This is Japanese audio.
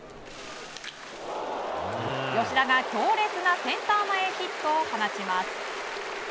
吉田が強烈なセンター前ヒットを放ちます。